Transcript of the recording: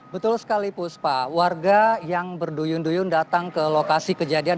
betul sekali puspa warga yang berduyun duyun datang ke lokasi kejadian